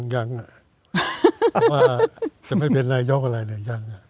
ยังจะไม่เป็นนายกอะไรเนี่ย